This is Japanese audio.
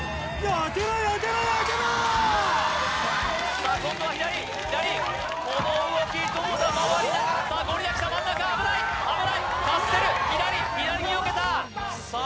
さあ今度は左左この動きどうだ回りながらさあゴリラ来た真ん中危ない危ないかわせる左左に避けたさあ